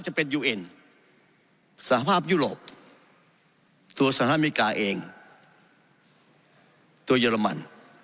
จะเป็นยูเอ็นสหภาพยุโรปตัวสหรัฐอเมริกาเองตัวเยอรมัน